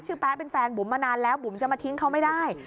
แป๊ะเป็นแฟนบุ๋มมานานแล้วบุ๋มจะมาทิ้งเขาไม่ได้